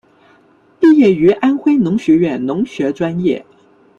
毕业于安徽农学院农学专业。